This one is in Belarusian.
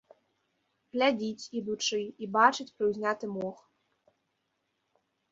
Глядзіць, ідучы, і бачыць прыўзняты мох.